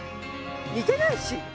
似てないし。